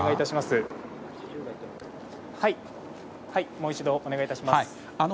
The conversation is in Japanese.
もう一度お願いします。